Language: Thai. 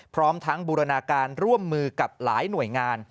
พร้อมทั้งบูรณาการร่วมมือกับหลายหน่วยงาน